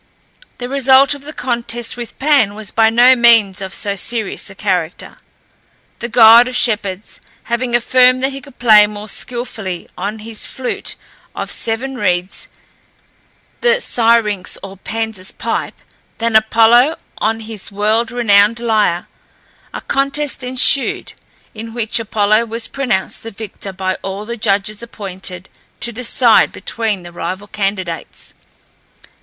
The result of the contest with Pan was by no means of so serious a character. The god of shepherds having affirmed that he could play more skilfully on his flute of seven reeds (the syrinx or Pan's pipe), than Apollo on his world renowned lyre, a contest ensued, in which Apollo was pronounced the victor by all the judges appointed to decide between the rival candidates.